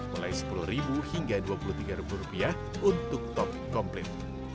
mulai sepuluh hingga dua puluh tiga rupiah untuk topping komplit